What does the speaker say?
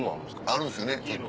あるんですよねちょっと。